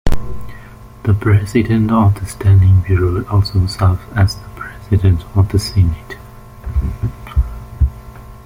The President of the Standing Bureau also serves as the President of the Senate.